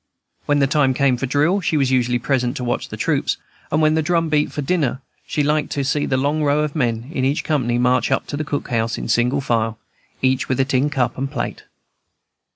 When the time came for drill she was usually present to watch the troops; and when the drum beat for dinner she liked to see the long row of men in each company march up to the cookhouse, in single file, each with tin cup and plate.